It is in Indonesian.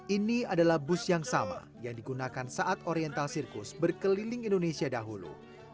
ini adalah bus yang sama yang digunakan saat oriental sirkus berkeliling indonesia dahulu